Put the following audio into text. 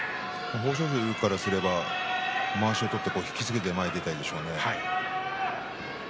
豊昇龍からすればまわしを取って引き付けてということでしょうね。